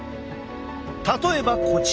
例えばこちら。